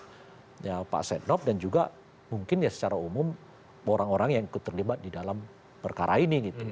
yang harus dipikirkan oleh pihak pak setnop dan juga mungkin ya secara umum orang orang yang terlibat di dalam perkara ini gitu